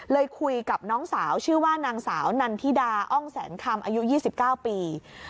คุยกับน้องสาวชื่อว่านางสาวนันทิดาอ้องแสนคำอายุ๒๙ปี